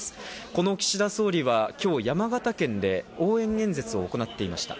この岸田総理は今日、山形県で応援演説を行っていました。